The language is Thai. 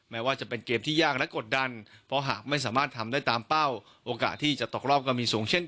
แล้วก็เป็นกำลังใจให้นักผู้บอลด้วยครับผม